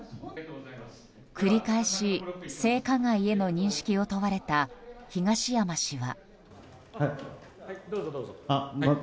繰り返し、性加害への認識を問われた東山氏は。